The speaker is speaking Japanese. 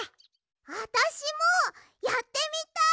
あたしもやってみたい！